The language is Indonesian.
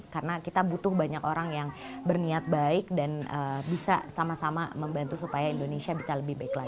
karena kita butuh banyak orang yang berniat baik dan bisa sama sama membantu supaya indonesia bisa lebih baik lagi